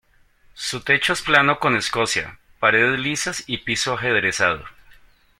Su techo es plano con escocia, paredes lisas y piso ajedrezado.